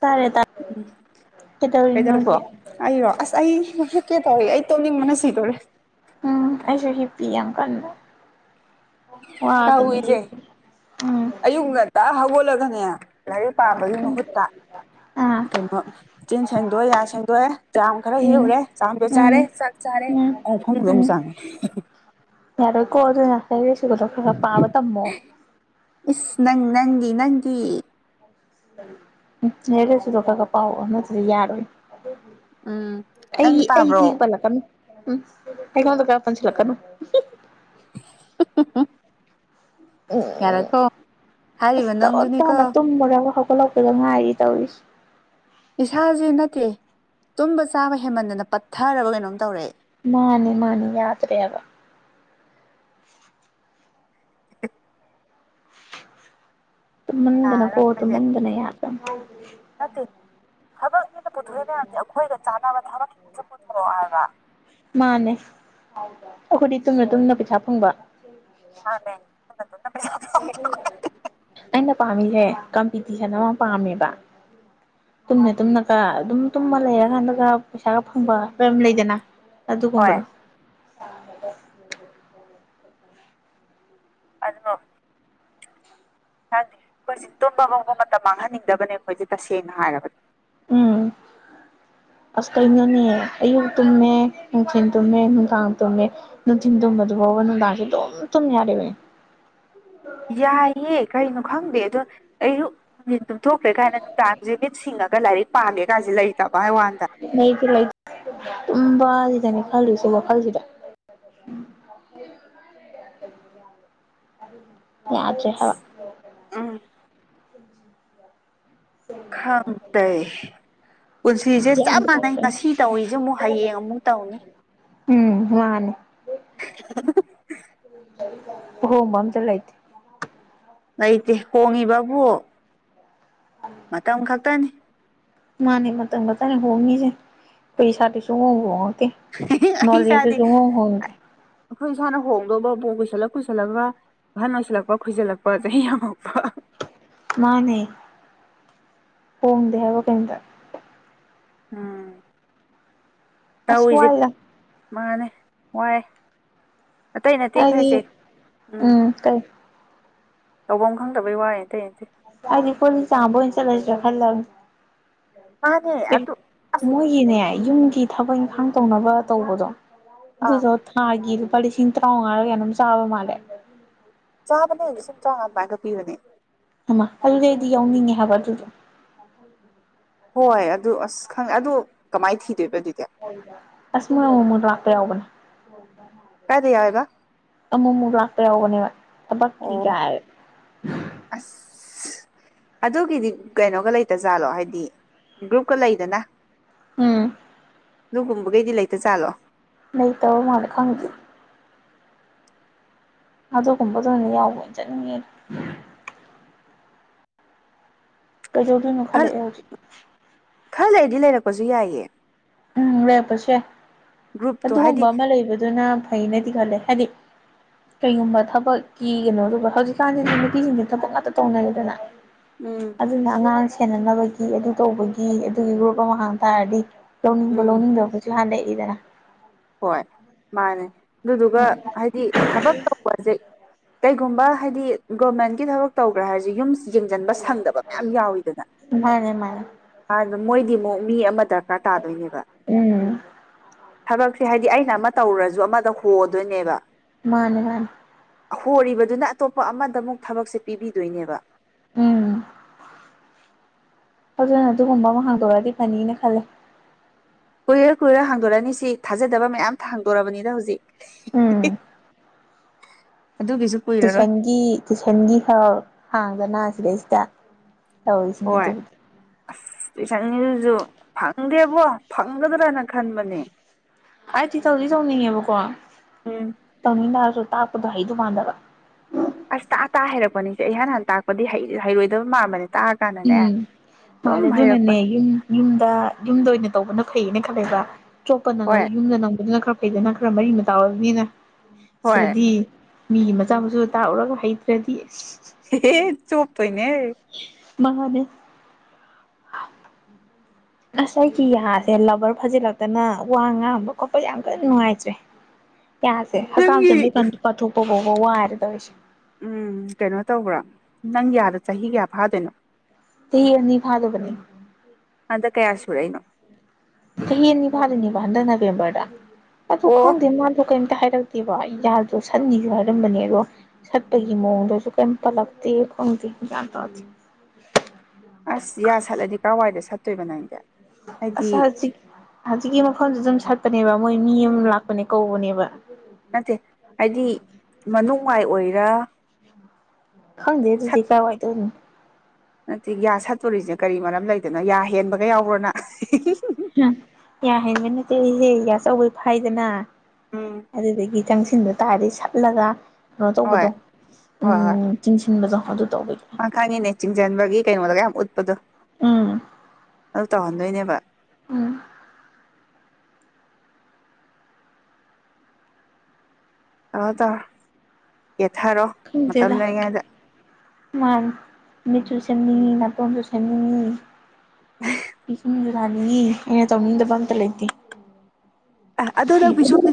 ꯇꯥꯔꯦ ꯇꯥꯔꯦ ꯎꯝ ꯀꯩꯗꯧꯔꯤꯅꯣ ꯅꯪꯕꯣ ꯀꯩꯗꯧꯔꯤꯒꯦ ꯑꯩꯔꯣ ꯑꯁ ꯑꯩ ꯀꯦ ꯇꯧꯋꯏ ꯑꯩ ꯇꯧꯅꯤꯡ ꯃꯅꯁꯤꯗꯣꯏꯔꯦ ꯎꯝ ꯑꯁ ꯍꯞ ꯄ ꯌꯥꯝ ꯌꯥꯝ ꯀ ꯇ ꯍꯏꯁꯦ ꯎꯝ ꯑꯌꯨ ꯉ ꯇ ꯍꯒꯣꯂꯒꯅꯦꯌꯥ ꯂꯥꯏꯔꯤꯛ ꯄꯥꯕꯒꯤ ꯃꯍꯨꯠꯇ ꯑꯥ ꯀꯩꯅꯣ ꯆꯤꯟ ꯁꯦꯡꯗꯣꯛꯑꯦ ꯌꯥ ꯁꯦꯡꯗꯣꯛꯑꯦ ꯆꯥꯝ ꯈꯔ ꯎꯝ ꯍꯦꯎꯨꯔꯦ ꯆꯥ ꯎꯝ ꯆꯥꯔꯦ ꯎꯝ ꯑꯣ ꯐꯐꯝꯗ ꯎꯝ ꯆꯉ ꯌꯥꯔꯣꯏꯀꯣ ꯑꯗꯨ ꯉꯁꯥꯏꯁꯨꯗꯣ ꯈꯔ ꯈꯔ ꯄꯥꯕ ꯇꯝꯃꯣ ꯅ ꯅ ꯑꯦꯒꯁꯨ ꯔꯣ ꯀꯒꯄꯥꯎ ꯅ ꯌꯥꯔ ꯑꯣꯏ ꯎꯝ ꯑꯩ ꯅꯪꯗꯤ ꯄꯥꯕ꯭ꯔꯣ ꯑꯩꯗꯤꯒ ꯄꯂ ꯀꯅꯤ ꯎꯝ ꯑꯩ ꯈ ꯇ ꯀ ꯄꯟꯁꯤ ꯂꯛꯀꯅ [inaudible] ꯌꯥꯔꯦꯀꯣ ꯍꯥꯏꯔꯤꯕ ꯎꯝꯁ ꯇ ꯑꯣ ꯅꯪꯖꯨꯅꯤꯀꯣ ꯇꯅ ꯇꯨꯝ ꯃꯣꯔ ꯍ ꯊꯣꯛꯠꯂꯛꯄꯗ ꯉꯥꯏꯔꯤ ꯇꯧꯔꯤꯁ ꯏꯁꯥꯥꯁ ꯅꯠꯇꯦ ꯇꯨꯝꯕ ꯆꯥꯕ ꯍꯦꯟꯃꯟꯗꯅ ꯄꯠꯊꯔꯒ ꯀꯩꯅꯣꯝ ꯇꯧꯔꯛꯑꯦ ꯃꯥꯅꯤ ꯃꯥꯅꯤ ꯌꯥꯗꯔꯦꯒ ꯃꯟꯗꯅ ꯀꯣ ꯅꯥꯔꯕ ꯇ ꯍꯧꯖꯤꯛ ꯃꯟꯗꯅ ꯌꯥꯗ ꯅꯠꯇꯦ ꯊꯕꯛꯅꯤꯅ ꯄꯨꯊꯣꯛꯏ ꯃꯌꯥꯝꯁꯦ ꯑꯩꯈꯣꯏꯒ ꯆꯥꯅꯕ ꯊꯕꯛ ꯑꯗꯨ ꯄꯨꯊꯔꯣ ꯍꯥꯏꯒ ꯃꯥꯅꯦ ꯑꯩꯈꯣꯏꯗꯤ ꯇꯨꯝꯅ ꯇꯨꯝꯅ ꯄꯩꯁꯥ ꯐꯪꯕ ꯃꯥꯅꯦ ꯑꯗꯨꯅ ꯄꯩꯁꯥ ꯐꯪꯕ ꯑꯩꯅ ꯄꯥꯝꯃꯤꯁꯦ ꯀꯝꯄꯤꯇꯤꯁꯟ ꯑꯃ ꯄꯥꯝꯃꯦꯕ ꯇꯨꯝꯅ ꯇꯨꯝꯅꯒ ꯑꯗꯨꯝ ꯇꯨꯝꯃ ꯂꯩꯔꯀꯥꯟꯗꯒ ꯄꯩꯁꯥꯒ ꯐꯪꯕ ꯀꯝ ꯂꯩꯗꯅ ꯑꯗꯨ ꯍꯣꯏ ꯀꯨꯝꯕꯗ ꯑꯗꯨꯃ ꯈꯪꯦ ꯑꯩꯈꯣꯏꯁꯦ ꯇꯨꯝꯕ ꯉꯕ ꯃꯇꯝ ꯃꯥꯡꯍꯟꯅꯤꯡꯗꯕꯅꯦ ꯑꯩꯈꯣꯏꯁꯦ ꯇꯁꯦꯡꯅ ꯍꯥꯏꯔꯕꯅꯦ ꯎꯝ ꯑꯁ ꯀꯩꯅꯣꯅꯦ ꯑꯌꯨꯛ ꯇꯨꯝꯃꯦ ꯅꯨꯡꯊꯤꯜ ꯇꯨꯝꯃꯦ ꯅꯨꯡꯗꯥꯥꯡ ꯇꯨꯝꯃꯦ ꯅꯨꯡꯊꯤꯟ ꯇꯨꯝꯕꯗꯨ ꯅꯗꯥꯁꯤ ꯊꯨꯝ ꯊꯨꯝ ꯌꯥꯔꯦ ꯃꯅꯦ ꯌꯥꯏꯌꯦ ꯀꯔꯤꯅꯣ ꯈꯪꯗꯦ ꯑꯗꯣ ꯑꯌꯨꯛ ꯅꯨꯡꯊꯤꯟ ꯇꯨꯝꯊꯣꯛꯈ꯭ꯔꯦ ꯀꯥꯏꯅ ꯅꯨꯡꯗꯥꯡꯁꯦ ꯃꯤꯠ ꯁꯤꯡꯉ ꯂꯥꯏꯔꯤꯛ ꯄꯥꯝꯒꯦ ꯀꯥꯁꯦ ꯂꯩꯇꯕ ꯋꯥꯟꯗ ꯇꯨꯝꯕꯥ ꯁꯤꯗꯅꯦ ꯈꯜꯂꯨꯁꯦ ꯋꯥꯈꯜꯁꯤꯗ ꯎ ꯌꯥꯖꯦ ꯍꯥꯋꯥ ꯎꯝ ꯈꯪꯗ ꯄꯨꯟꯁꯤꯁꯦ ꯆꯞ ꯌꯥꯟꯕ ꯃꯥꯟꯅꯩ ꯇꯥꯔꯛꯀꯅꯤ ꯉꯁꯤ ꯇꯧꯔꯤꯁꯦ ꯑꯃꯨꯛ ꯍꯌꯦꯡ ꯑꯃꯨꯛ ꯇꯧꯅꯤ ꯋꯥꯅꯦ [inaudible] ꯑꯍꯣꯡꯕ ꯑꯝꯇ ꯂꯩꯇꯦ ꯂꯩꯇꯦ ꯍꯣꯡꯉꯤꯕ ꯕꯨ ꯃꯇꯝ ꯈꯥꯛꯇꯅꯤ ꯃꯥꯅꯦ ꯃꯇꯝ ꯈꯥꯛꯇꯅꯦ ꯍꯣꯡꯉꯤꯁꯦ ꯈꯣꯏ ꯏꯁꯥꯗꯤ ꯁꯨꯡꯍꯣꯡꯉꯣꯏ ꯑ ꯑꯩ ꯅꯣꯂꯦꯁ ꯏꯁꯥꯗꯤ ꯈꯥꯛꯇꯅꯦ ꯑꯩꯈꯣꯏ ꯏꯁꯥꯅ ꯍꯣꯡꯗꯨꯕꯕꯨ ꯄꯨꯡ ꯀꯨꯁꯜꯂ ꯀꯨꯏꯁꯜꯂꯒ ꯑꯍꯟ ꯑꯣꯏꯁꯤꯜꯂꯛꯄ ꯀꯣꯏꯖꯥꯜꯂꯛꯄ ꯆꯍꯤ ꯌꯥꯝꯃꯥꯛꯄ ꯃꯥꯅꯦ ꯍꯣꯡꯗꯦ ꯍꯥꯏꯕ ꯀꯩꯗ ꯑꯝ ꯑꯁ ꯋꯥꯏꯗ ꯃꯥꯅꯦ ꯋꯥꯏ ꯑꯇꯩ ꯅꯠꯇꯦ ꯈꯟꯂꯤꯁꯦ ꯑꯩꯗꯤ ꯎꯝ ꯇꯧꯕ ꯈꯪꯗꯕꯩ ꯋꯥꯏꯅꯦ ꯑꯇꯩ ꯅꯠꯇꯦ ꯑꯩꯗꯤ ꯄꯨꯟꯅ ꯆꯥꯕ ꯑꯣꯏꯅ ꯆꯠꯂꯁꯤꯔꯥ ꯈꯥꯟꯂꯤꯅꯦ ꯃꯥꯅꯦ ꯑꯦ ꯑꯗꯨ ꯑꯁ ꯃꯣꯏꯒꯤꯅꯦ ꯌꯨꯝꯒꯤ ꯊꯕꯛ ꯏꯪꯈꯥꯡ ꯇꯧꯅꯕ ꯇꯧꯕꯗꯣ ꯑꯥ ꯑꯗꯨꯗꯣ ꯊꯥꯒꯤ ꯂꯨꯄꯥ ꯂꯤꯁꯤꯡ ꯇꯔꯥꯉꯥꯡꯔ ꯀꯌꯥꯅꯣ ꯆꯥꯕ ꯃꯥꯟꯂꯦ ꯆꯥꯕꯅꯦ ꯂꯤꯁꯤꯡ ꯇꯔꯥꯉꯥꯡ ꯑꯗꯨꯃꯥꯏꯅ ꯄꯤꯕꯅꯦ ꯍꯩꯃꯥ ꯑꯗꯨꯗꯤ ꯑꯩꯗꯤ ꯌꯥꯎꯅꯤꯡꯉꯦ ꯍꯥꯏꯕ ꯑꯗꯨꯗꯣ ꯍꯣꯏ ꯑꯗꯨ ꯑꯁ ꯈꯪꯉꯦ ꯑꯗꯨ ꯀꯃꯥꯏꯅ ꯊꯤ ꯑꯁ ꯃꯥ ꯑꯃꯨꯛ ꯑꯃꯨꯛ ꯂꯥꯛꯄ ꯌꯥꯎꯕꯅꯦ ꯌꯥꯏꯑꯕ ꯑꯃꯨꯛ ꯑꯃꯨꯛ ꯂꯥꯛꯄ ꯌꯥꯎꯕꯅꯦꯕ ꯊꯕꯛꯀꯤ ꯑꯣ ꯀꯥꯏ ꯑꯗꯨꯒꯤꯗꯤ ꯀꯩꯅꯣꯒ ꯂꯩꯇ ꯖꯥꯠꯂꯣ ꯍꯥꯏꯗꯤ ꯒ꯭ꯔꯨꯞꯀ ꯂꯩꯗꯅ ꯎꯝ ꯑꯗꯨꯒꯨꯝꯕꯈꯒꯩꯗꯤ ꯂꯩꯇ ꯖꯥꯠꯂꯣ ꯂꯩꯇꯕ ꯃꯥꯟꯂꯦ ꯈꯪꯗꯦ ꯑꯗꯨꯒꯨꯝꯕꯗ ꯑꯣꯏꯅ ꯌꯥꯎꯕ ꯑꯣꯏꯅ ꯆꯠꯅꯤꯡꯉꯛꯑꯦ ꯀꯩꯗꯧꯗꯨꯏꯅꯣ ꯈꯥꯟꯂꯥꯛꯑꯦ ꯍꯧꯖꯤꯠ ꯈꯔ ꯂꯩꯔꯗꯤ ꯂꯩꯔꯛꯄꯁꯨ ꯌꯥꯏꯑ ꯎꯝ ꯂꯩꯔꯛꯄꯁꯨ ꯌꯥꯏ ꯒ꯭ꯔꯨꯞꯇꯣ ꯑꯗꯨꯒꯨꯝꯕ ꯍꯥꯏꯗꯤ ꯑꯃ ꯂꯩꯕꯗꯨꯅ ꯐꯩꯅꯗꯤ ꯈꯜꯂꯦ ꯍꯥꯏꯗꯤ ꯀꯩꯒꯨꯝꯕ ꯊꯕꯛꯀꯤ ꯀꯩꯅꯣꯗꯣ ꯍꯧꯖꯤꯛꯀꯥꯟꯁꯦ ꯅꯨꯄꯤꯁꯤꯡꯁꯦ ꯊꯕꯛ ꯉꯥꯛꯇ ꯇꯧꯅꯔꯦꯗꯅ ꯎꯝ ꯑꯗꯨꯅ ꯑꯉꯥꯡ ꯁꯦꯟꯅꯅꯕꯒꯤ ꯑꯗꯨ ꯇꯧꯕꯒꯤ ꯑꯗꯨꯒꯤ ꯒ꯭ꯔꯨꯞ ꯑꯃ ꯍꯥꯡ ꯇꯥꯔꯗꯤ ꯂꯧꯅꯤꯡꯕ ꯎꯝ ꯂꯧꯅꯤꯡꯗꯕ ꯍꯥꯏꯕꯁꯨ ꯂꯩꯔꯤꯗꯅ ꯍꯣꯏ ꯃꯥꯅꯦ ꯑꯗꯨꯗꯨꯒ ꯎꯝ ꯍꯥꯏꯗꯤ ꯊꯕꯛ ꯇꯧꯕꯁꯦ ꯀꯩꯒꯨꯝꯕ ꯍꯥꯏꯗꯤ ꯒꯣꯔꯃꯦꯟꯒꯤ ꯊꯕꯛ ꯇꯧꯈ꯭ꯔꯥ ꯍꯥꯏꯔꯁꯦ ꯌꯨꯝꯁꯤꯡ ꯌꯦꯡꯁꯥꯟꯕ ꯁꯪꯗꯕ ꯃꯌꯥꯝ ꯌꯥꯎꯏꯗꯅ ꯃꯥꯅꯦ ꯃꯥꯅꯦ ꯑꯥꯟꯗ ꯃꯣꯏꯒꯤ ꯑꯃꯨꯛ ꯃꯤ ꯑꯃ ꯗꯔꯀꯥꯔ ꯇꯥꯗꯣꯏꯅꯦꯕ ꯎꯝ ꯊꯕꯛꯁꯦ ꯍꯥꯏ ꯑꯩꯅ ꯑꯃ ꯇꯧꯔꯨꯔꯁꯨ ꯑꯃꯗ ꯍꯣꯗꯨꯏꯅꯦꯕ ꯃꯥꯅꯦ ꯃꯥꯅꯦ ꯍꯣꯔꯤꯕꯗꯨꯅ ꯑꯇꯣꯞꯄ ꯑꯃꯗ ꯑꯃꯨꯛ ꯊꯕꯛꯁꯦ ꯄꯤꯕꯤꯗꯣꯏꯅꯦꯕ ꯎꯝ ꯑꯗꯨꯅ ꯑꯗꯨꯒꯨꯝꯕ ꯑꯃ ꯍꯥꯡꯗꯣꯔꯑꯗꯤ ꯐꯅꯤꯅ ꯈꯜꯂꯦ ꯀꯨꯏꯔꯣꯏ ꯀꯨꯏꯔꯣꯏ ꯍꯥꯡꯗꯣꯔꯛꯑꯅꯤ ꯁꯤ ꯊꯥꯖꯗꯕ ꯃꯌꯥꯝ ꯍꯥꯡꯗꯣꯛꯔꯛꯑꯅꯤꯅ ꯍꯧꯖꯤꯛ ꯎꯝ ꯑꯗꯨꯒꯤꯁꯨ ꯀꯨꯏꯔꯔꯣꯏ ꯇꯨꯏꯁꯟꯒꯤ ꯇꯨꯏꯁꯟꯒꯤ ꯍꯔ ꯍꯥꯡꯗꯅ ꯁꯤꯗꯩꯁꯤꯗ ꯇꯧ ꯁꯤꯅꯤ ꯍꯣꯏ ꯇꯨ ꯑꯁ ꯇꯨꯏꯁꯟꯒꯤꯗꯨꯁꯨ ꯐꯪꯗꯦꯕꯣ ꯐꯪꯒꯗ꯭ꯔꯅ ꯈꯟꯕꯅꯦ ꯑꯩꯗꯤ ꯇꯧꯗꯤ ꯇꯧꯅꯤꯡꯉꯦꯕꯀꯣ ꯎꯝ ꯇꯧꯅꯤꯡ ꯇꯔꯁꯨ ꯇꯥꯛꯄꯗꯣ ꯍꯩꯗꯧ ꯃꯥꯟꯗꯕ ꯑꯁ ꯇꯥꯑ ꯇꯥꯑ ꯍꯩꯔꯛꯄꯅꯤꯁꯦ ꯏꯍꯥꯟ ꯍꯥꯟꯅ ꯇꯥꯛꯄꯗꯤ ꯍꯩꯔꯣꯏꯗꯕ ꯃꯥꯟꯕꯅꯦ ꯇꯥꯛꯑꯀꯥꯟꯗꯅꯦ ꯎꯝ ꯃꯥꯗ ꯑꯗꯨꯝ ꯑꯗꯨꯅꯅꯦ ꯍꯩꯔꯛꯄꯅꯦ ꯌꯨꯝ ꯌꯨꯝꯗ ꯌꯨꯝꯗ ꯑꯣꯏꯅ ꯇꯧꯕꯅ ꯐꯩꯅ ꯈꯜꯂꯦꯕ ꯑꯇꯣꯞꯄ ꯍꯣꯏ ꯅꯪꯉꯁꯨ ꯌꯨꯝꯗ ꯅꯪꯕꯗꯨꯅ ꯈꯔ ꯐꯩꯗꯅ ꯈꯔ ꯃꯔꯤ ꯃꯇ ꯇꯥꯔꯅꯤꯅ ꯍꯣꯏ ꯁꯤꯗꯗꯤ ꯃꯤꯒꯤ ꯃꯆꯥ ꯃꯁꯨ ꯇꯥꯛꯎꯔꯒ ꯍꯩꯇ꯭ꯔꯗꯤ ꯍ ꯆꯣꯄ ꯇꯣꯏꯅꯦ ꯃꯅꯦ ꯑꯁ ꯑꯩꯒꯤ ꯌꯥꯁꯦ ꯂꯕꯔ ꯐꯖꯤꯜꯂꯛꯇꯅ ꯋꯥ ꯉꯥꯡꯕ ꯈꯣꯠꯄꯁꯦ ꯌꯥꯝ ꯀꯟ ꯅꯨꯡꯉꯥꯏꯇ꯭ꯔꯦ ꯌꯥꯁꯦ ꯍꯛꯀꯥꯝ ꯅꯪꯒꯤ ꯆꯟꯕꯩ ꯀꯊꯣꯛꯄꯐꯥꯎ ꯋꯥꯔꯦ ꯇꯧꯔꯤꯁꯦ ꯎꯝ ꯀꯩꯅꯣ ꯇꯧꯕ꯭ꯔꯥ ꯅꯪ ꯌꯥꯗ ꯆꯍꯤ ꯀꯌꯥ ꯐꯥꯗꯣꯏꯅꯣ ꯆꯍꯤ ꯑꯅꯤ ꯐꯗꯧꯕꯅꯤ ꯍꯟꯗꯛ ꯀꯌꯥ ꯁꯨꯔꯛꯏꯅꯣ ꯆꯍꯤ ꯑꯅꯤ ꯐꯗꯣꯢꯅꯦ ꯍꯟꯗꯛ ꯅꯕꯦꯝꯕꯔ ꯗ ꯑꯗꯣ ꯑꯣ ꯈꯡꯗꯦ ꯀꯩꯝꯇ ꯍꯥꯏꯔꯛꯇꯦꯕ ꯌꯥꯗꯣ ꯁꯠꯅꯤꯁꯨ ꯍꯥꯏꯔꯝꯕꯅꯦ ꯑꯗꯣ ꯁꯠꯄꯒꯤ ꯃꯑꯣꯡꯗꯁꯨ ꯀꯩꯝ ꯄꯜꯂꯛꯇꯦ ꯈꯪꯗꯦ ꯒꯌꯥꯢꯟ ꯇꯥꯗꯦ ꯇꯣꯏ ꯅꯥꯏꯗꯦ ꯑꯁ ꯍꯖꯤꯛ ꯁꯤꯒꯤ ꯃꯐꯝꯁꯤ ꯑꯗꯨꯝ ꯁꯠꯄꯅꯦꯕ ꯃꯣꯏ ꯃꯤ ꯑꯃ ꯂꯥꯛꯄꯅꯦ ꯀꯧꯕꯅꯦꯕ ꯅꯨꯡꯉꯥꯏ ꯑꯣꯏꯔ ꯈꯪꯗꯦ ꯑꯗꯨꯗꯤ ꯀꯥꯏ ꯋꯥ ꯇ ꯅꯠꯇꯦ ꯌꯥꯁꯠ ꯇꯣꯔꯤꯁꯦ ꯀꯔꯤ ꯃꯔꯝ ꯂꯩꯗꯅꯣ ꯌꯥ ꯍꯦꯟꯕꯒ ꯌꯥꯎꯕ꯭ꯔꯣꯅ ꯌꯥ ꯍꯦꯟꯕꯩ ꯅꯠꯇꯦ ꯑꯩꯍꯦ ꯆꯧꯕꯩ ꯐꯥꯏꯗꯅ ꯎꯝ ꯑꯗꯨꯗꯒꯤ ꯆꯪꯁꯤꯟꯕ ꯇꯥꯔꯗꯤ ꯁꯠꯂꯒ ꯀꯩꯅꯣ ꯍꯣꯏ ꯇꯧꯕꯗꯣ ꯑꯝ ꯆꯤꯡꯁꯤꯟꯕꯗꯣ ꯑꯗꯨ ꯇꯧꯕꯒꯤ ꯑ ꯈꯪꯉꯤꯅꯦ ꯆꯤꯡꯖꯟꯕꯒꯤ ꯀꯩꯅꯣꯗꯥꯒ ꯌꯥꯝ ꯎꯠꯄꯗꯣ ꯎꯝ ꯑꯗꯨ ꯇꯪꯍꯟꯗꯣꯢꯅꯦꯕꯥ ꯎꯝ ꯇꯧꯔꯣ ꯇꯧꯔꯣ ꯌꯦꯠꯊꯔꯣ ꯃꯇꯝ ꯈꯪꯗꯦꯗ ꯂꯩꯔꯤꯉꯩꯗ ꯃꯅꯤ ꯃꯤꯠꯁꯨ ꯃꯤꯠ ꯅꯇꯣꯟꯁꯨ ꯁꯦꯝꯅꯤꯡꯉꯤ ꯄꯤꯁꯨꯝꯁꯨ ꯂꯅꯤ ꯑꯩ ꯅ ꯇꯧꯅꯤꯡꯗꯕ ꯑꯝꯇꯥ ꯂꯩꯇꯦ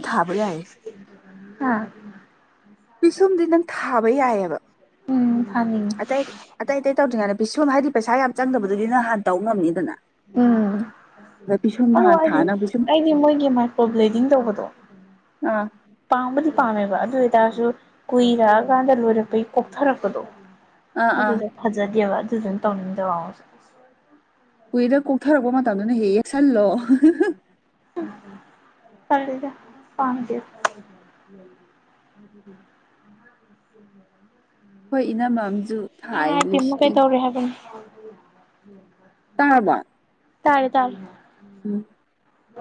ꯊꯥꯕ ꯌꯥꯏꯌꯦ ꯍꯥꯥ ꯄꯤꯁꯨꯝꯗꯤ ꯅꯪ ꯊꯥꯕ ꯌꯥꯏꯑꯕ ꯎꯝ ꯊꯥꯅꯤꯡꯉꯤ ꯑꯇꯩ ꯑꯇꯩ ꯑꯇꯩ ꯇꯧꯗ꯭ꯔꯤꯉꯩꯗ ꯄꯤꯁꯣꯝ ꯍꯥꯏꯗꯤ ꯄꯩꯁꯥ ꯌꯥꯝ ꯆꯪꯗꯕꯗꯨꯗꯤ ꯅꯍꯥꯟ ꯇꯧ ꯉꯝꯅꯤꯗꯅ ꯎꯝ ꯑꯗ ꯄꯤꯁꯨꯝꯗꯣ ꯑꯗꯨ ꯍꯥꯟꯅ ꯑꯩꯗꯤ ꯊꯥꯅ ꯄꯤꯁꯨꯝ ꯑꯩꯗꯤ ꯃꯣꯏꯒꯤ ꯃꯥꯏꯀ꯭ꯔꯣ ꯕ꯭ꯂꯦꯗꯤꯡ ꯇꯧꯕꯗꯣ ꯑꯥ ꯄꯥꯝꯕꯨꯗꯤ ꯄꯥꯝꯃꯦꯕ ꯑꯗꯨ ꯑꯣꯏꯇꯥꯔꯁꯨ ꯀꯨꯏꯔꯛꯑꯀꯥꯟꯗ ꯂꯣꯏꯔꯛꯄꯩ ꯀꯣꯛꯊꯔꯛꯄꯗꯣ ꯑꯥ ꯑꯥ ꯑꯗꯨꯗ ꯐꯖꯗꯦꯕ ꯑꯗꯨꯗꯅ ꯇꯧꯅꯤꯡꯗꯕ ꯑꯃꯨꯛꯁꯨ ꯀꯨꯏꯗ ꯀꯣꯛꯊꯔꯛꯄ ꯃꯇꯝꯗꯨꯅ ꯍꯦꯛ ꯌꯦꯛꯁꯜꯂꯣ ꯎꯝ ꯇꯜꯂꯤꯗ ꯄꯥꯝꯗꯦ ꯍꯣꯏ ꯢꯅꯝꯃ ꯁꯨ ꯑ ꯇꯤꯅ ꯀꯩ ꯇꯧꯔꯤꯦ ꯍꯥꯏꯕꯅꯣ ꯇꯔꯔꯕꯣ ꯇꯥꯔꯦ ꯇꯥꯔꯦ ꯎꯝ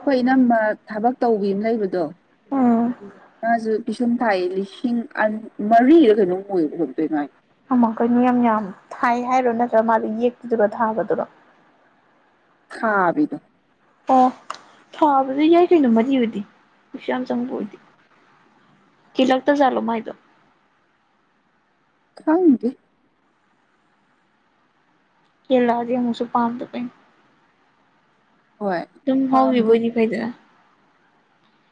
ꯍꯣꯏ ꯏꯅꯝꯃ ꯊꯕꯛ ꯇꯧꯕꯤ ꯑꯃ ꯂꯩꯕꯗꯣ ꯎꯝ ꯃꯥꯖꯨ ꯄꯤꯁꯨꯝ ꯉꯥꯏ ꯂꯤꯁꯤꯡ ꯃꯔꯤꯒ ꯀꯩꯅꯣꯃꯨꯛ ꯑꯣꯏꯒꯨꯝ ꯇꯧꯕꯅꯦ ꯑꯃꯛ ꯑꯩꯈꯣꯏ ꯅꯤꯌꯝ ꯌꯥꯝ ꯊꯥꯏ ꯍꯥꯏꯔꯣ ꯅꯠꯇ꯭ꯔꯒ ꯃꯥꯗ ꯌꯦꯛꯇꯨꯗꯨꯒ ꯊꯥꯕꯗꯨꯔꯣ [unintelligible] ꯍꯥꯕꯤꯗ ꯑꯣ ꯊꯥꯕꯗ ꯌꯥꯏ ꯀꯩꯅꯣ ꯃꯔꯤ ꯑꯣꯏꯗꯤ ꯀꯩꯁꯨꯌꯥꯝ ꯆꯪꯕ ꯑꯣꯏꯗꯤ ꯀꯦꯂꯛꯇ ꯆꯂꯣ ꯃꯥꯥꯏꯗꯣ ꯈꯪꯗꯦ ꯀꯦꯂꯑꯗꯤ ꯑꯃꯨꯁꯨ ꯄꯥꯝꯗꯕ ꯑꯩꯟ ꯍꯣꯏ ꯇꯨꯝ ꯍꯥꯎꯒꯤꯕ ꯑꯣꯏꯗꯤ ꯐꯥꯏꯗꯅ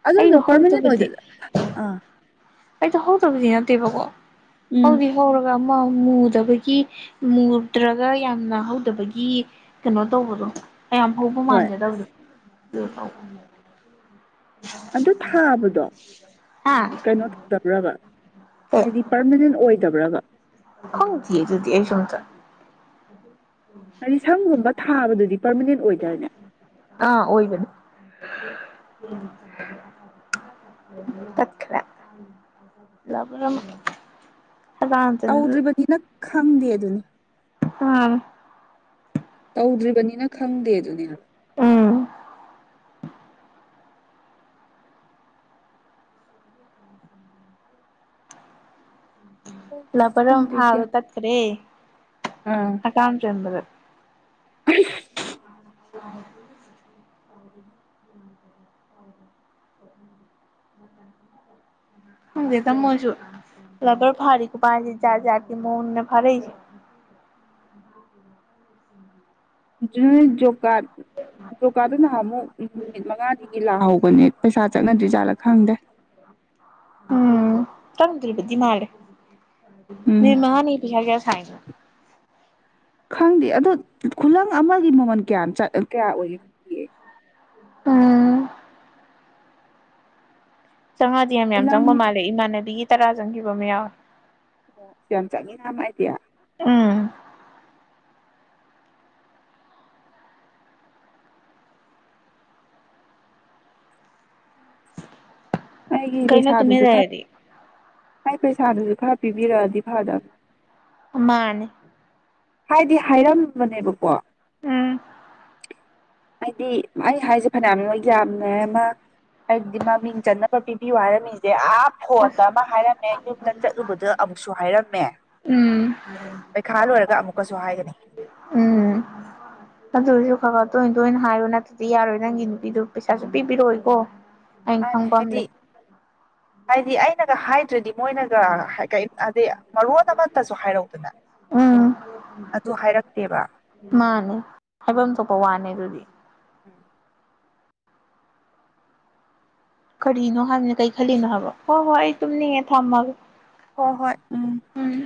ꯑꯗꯨꯗꯨ ꯄꯔꯃꯤꯅꯦꯠ ꯑꯣꯏꯗ ꯑ ꯑꯩꯇꯣ ꯍꯗꯕꯗꯤ ꯅꯇꯦꯕꯒꯣ ꯎꯝ ꯍꯧꯗꯤ ꯍꯧꯔꯒ ꯃꯨꯗꯕꯒꯤ ꯃꯨꯗ꯭ꯔꯒ ꯌꯥꯝꯅ ꯍꯧꯗꯕꯒꯤ ꯀꯩꯅꯣ ꯇꯧꯕꯗꯣ ꯀꯌꯥꯝ ꯍꯧꯕ ꯍꯣꯏ ꯃꯥꯟꯖꯗꯕꯗꯣ ꯑꯗꯨ ꯊꯥꯕꯗꯣ ꯍꯥ ꯀꯩꯅꯣ ꯇꯧꯗꯕ꯭ꯔꯕ ꯍꯥꯏꯗꯤ ꯄꯥꯔꯃꯅꯦꯟ ꯑꯣꯏꯗꯕ꯭ꯔꯕ ꯈꯪ ꯇꯤꯌꯦ ꯑꯗꯨꯗꯤ ꯑꯩꯁꯨ ꯑꯝꯇꯥ ꯍꯥꯏꯗꯤ ꯁꯪꯒꯨꯝꯕ ꯊꯥꯕꯗꯨꯗꯤ ꯄꯔꯃꯤꯅꯦꯟ ꯑꯣꯏꯗꯥꯏꯅꯦ ꯇꯠꯈꯂꯦ ꯂꯥꯕꯔꯝ ꯇꯧꯗ꯭ꯔꯤꯕꯅꯤꯅ ꯈꯪꯗꯦ ꯑꯗꯨꯅꯤ ꯎꯝ ꯇꯧꯗ꯭ꯔꯤꯕꯅꯤꯅ ꯈꯪꯗꯦ ꯑꯗꯨꯅꯦ ꯎꯝ ꯍꯥꯏꯕ ꯂꯄꯔ ꯑꯃ ꯈꯪꯗꯦ ꯐꯥꯕ ꯒ꯭ꯌꯥꯟ ꯇꯠꯈ꯭ꯔꯦ ꯑꯥ ꯍꯀꯥꯝ ꯆꯟꯕꯗ [unintelligible] ꯎ ꯈꯪꯗꯦꯇ ꯃꯣꯏꯁꯨ ꯂꯕꯔ ꯐꯥꯔꯤ ꯈꯨꯐꯥꯁꯤ ꯖꯥꯠ ꯖꯥꯠ ꯀꯤ ꯃꯑꯣꯡꯅꯤꯗ ꯐꯥꯔꯛꯏꯖꯦ ꯖꯨ ꯖꯣꯀꯥꯔꯇ ꯖꯣꯒꯥꯥꯗꯨ ꯅꯍꯥ ꯑꯃꯨꯛ ꯅꯨꯃꯤꯠ ꯃꯉꯥꯒꯤ ꯂꯥꯛꯍꯧꯕꯅꯦ ꯄꯩꯁꯥ ꯆꯠꯅꯗ꯭ꯔꯤꯖꯥꯠꯂꯥ ꯈꯪꯗꯦ ꯎꯝ ꯆꯪ ꯗꯔꯤꯕꯗꯤ ꯃꯥꯂꯦ ꯎꯝ ꯃꯤ ꯃꯥꯅꯤ ꯄꯩꯁꯥ ꯀꯌꯥ ꯁꯥꯏꯅꯣ ꯈꯪꯗꯦ ꯑꯗꯣ ꯈꯨꯂꯪ ꯑꯃꯒꯤ ꯃꯃꯜ ꯀꯌꯥꯝ ꯆ ꯀꯌꯥ ꯑꯣꯏꯒꯦ ꯈꯪꯒꯦ ꯎꯝ ꯆꯪꯉꯗꯤ ꯌꯥꯝ ꯌꯥꯝ ꯈꯨꯂꯪ ꯆꯪꯕ ꯃꯥꯜꯂꯦ ꯏꯃꯥꯟꯅꯕꯤꯒꯤ ꯇꯔꯥ ꯆꯪꯈꯤꯕ ꯑꯃ ꯌꯥꯎꯋꯦ ꯑꯣ ꯌꯥꯝ ꯆꯪꯉꯤꯅ ꯃꯥꯏꯗꯤ ꯎꯝ ꯀꯩꯅ ꯇꯨꯃꯤꯟ ꯂꯩꯔꯗꯤ ꯃꯥꯏ ꯄꯩꯁꯥꯗꯨꯁꯨ ꯈꯔ ꯄꯤꯕꯤꯔꯛꯑꯗꯤ ꯐꯗꯝ ꯃꯥꯅꯤ ꯍꯥꯏꯗꯤ ꯍꯥꯏꯔꯝꯕꯅꯦꯕꯀꯣ ꯎꯝ ꯍꯥꯏꯗꯤ ꯑꯩ ꯍꯥꯏꯁꯦ ꯐꯅꯌꯥꯃꯣꯏ ꯌꯥꯝꯅꯦ ꯑꯃ ꯍꯥꯏꯗꯤꯃꯃꯤꯡ ꯆꯟꯅꯅꯕ ꯄꯤꯕꯤ ꯋꯥꯔꯝꯃꯦ ꯑꯥ ꯐꯣꯟꯗ ꯑꯁ ꯑꯃ ꯍꯥꯏꯔꯝꯃꯦ ꯌꯨꯝꯗ ꯆꯠꯂꯨꯕꯗ ꯑꯃꯨꯛꯁꯨ ꯍꯥꯏꯔꯝꯃꯦ ꯎꯝ ꯄꯩꯈꯥ ꯂꯣꯏꯔꯒ ꯑꯃꯨꯛꯀꯁꯨ ꯍꯥꯏꯒꯅꯤ ꯈ ꯒ ꯇꯣꯏꯟ ꯇꯣꯏꯟ ꯍꯥꯏꯌꯣ ꯅꯠꯇꯗꯤ ꯌꯥꯔꯣꯏ ꯅꯪꯒꯤ ꯅꯨꯄꯤꯗꯨ ꯄꯩꯁꯥ ꯁꯨꯄꯤ ꯄꯤꯔꯛꯑꯣꯏꯀꯣ ꯑꯩꯅ ꯈꯪ ꯃꯥꯅꯦ ꯍꯥꯏꯗꯤ ꯄꯝꯂꯩ ꯍꯥꯏꯗꯤ ꯑꯩꯅꯒ ꯍꯥꯏꯗ꯭ꯔꯗꯤ ꯃꯣꯏꯅꯒ ꯍꯥꯏꯗꯤ ꯃꯔꯣꯟ ꯑꯃꯠꯇꯁꯨ ꯍꯥꯏꯔꯧꯗꯅ ꯎꯝ ꯑꯗꯨ ꯍꯥꯏꯔꯛꯇꯦꯕ ꯃꯥꯅꯦ ꯍꯥꯏꯐꯝ ꯊꯣꯛꯄ ꯋꯥꯅꯦ ꯑꯗꯨꯗꯤ ꯎꯝ ꯀꯔꯤꯅꯣ ꯍꯥꯏꯕꯅ ꯀꯩ ꯈꯜꯂꯤꯅꯣ ꯍꯥꯏꯕ ꯍꯣꯏ ꯍꯣꯏ ꯑꯩ ꯇꯨꯝꯅꯤꯡꯉꯦ ꯊꯝꯃꯒꯦ ꯍꯣꯏ ꯍꯣꯏ ꯎꯝ ꯎꯝ